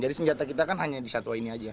jadi senjata kita kan hanya di satu ini aja